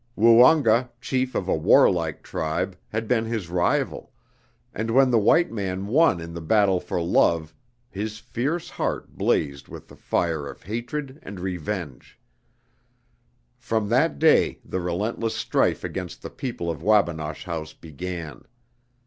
Woonga, chief of a warlike tribe, had been his rival, and when the white man won in the battle for love his fierce heart blazed with the fire of hatred and revenge. From that day the relentless strife against the people of Wabinosh House began.